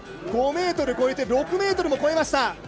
５ｍ超えて６ｍも超えました。